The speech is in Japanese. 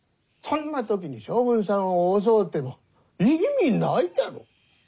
そんな時に将軍さんを襲うても意味ないやろ。